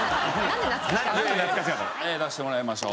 出してもらいましょう。